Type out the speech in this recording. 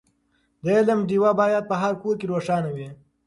د علم ډېوه باید په هر کور کې روښانه وي.